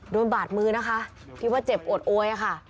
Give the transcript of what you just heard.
โดนบาดมือนะคะพี่ว่าเจ็บโอดโวยอะค่ะ